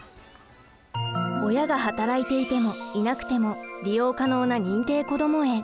親が働いていてもいなくても利用可能な認定こども園。